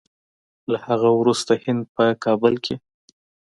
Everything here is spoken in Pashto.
له هغه وروسته هند په کابل کې